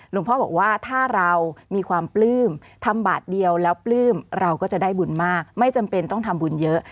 หลวงพ่อบอกว่าถ้าเรามีความปลื้มทำบาทเดียวแล้วปลื้มเราก็จะได้บุญมากไม่จำเป็นต้องทำบุญเยอะ